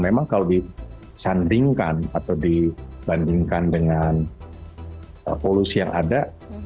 memang kalau disandingkan atau dibandingkan dengan polusi yang ada